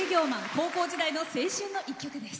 高校時代の青春の一曲です。